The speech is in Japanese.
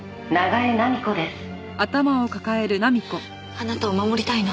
あなたを守りたいの。